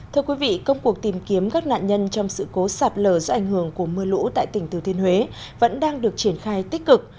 thưa quý vị công cuộc tìm kiếm các nạn nhân trong sự cố sạt lở do ảnh hưởng của mưa lũ tại tỉnh thừa thiên huế vẫn đang được triển khai tích cực